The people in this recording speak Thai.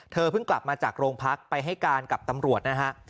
เพิ่งกลับมาจากโรงพักไปให้การกับตำรวจนะฮะ